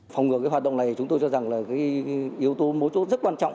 phòng ngừa cái hoạt động này chúng tôi cho rằng là cái yếu tố mối chốt rất quan trọng